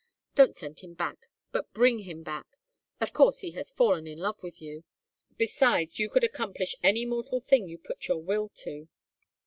Don't send him back, but bring him. Of course he has fallen in love with you. Besides, you could accomplish any mortal thing you put your will to.